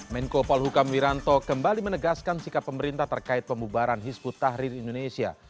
menko polhukam wiranto kembali menegaskan sikap pemerintah terkait pembubaran hizbut tahrir indonesia